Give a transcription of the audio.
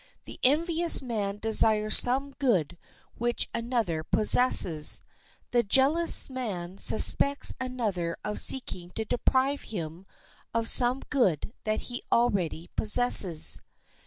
The envious man desires some good which another possesses; the jealous man suspects another of seeking to deprive him of some good that he already possesses.